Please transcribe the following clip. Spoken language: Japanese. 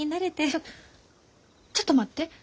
ちょちょっと待って。